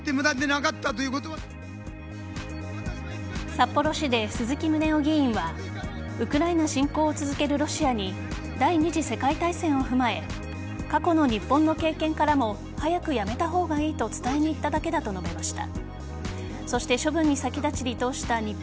札幌市で鈴木宗男議員はウクライナ侵攻を続けるロシアに第２次世界大戦を踏まえ過去の日本の経験からも早くやめたほうがいいと伝えに行っただけだと述べました。